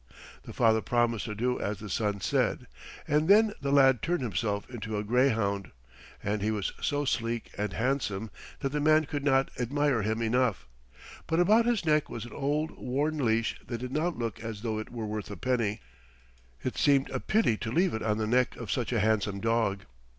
The father promised to do as the son said, and then the lad turned himself into a greyhound, and he was so sleek and handsome that the man could not admire him enough; but about his neck was an old, worn leash that did not look as though it were worth a penny. It seemed a pity to leave it on the neck of such a handsome dog.